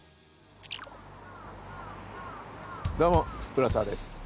どうも浦沢です。